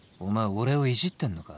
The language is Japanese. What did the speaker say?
俺をいじってんのか？